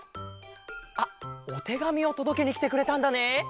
あっおてがみをとどけにきてくれたんだね。